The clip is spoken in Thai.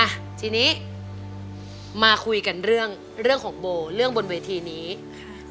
อ่ะทีนี้มาคุยกันเรื่องของโบเรื่องบนเวทีนี้ค่ะ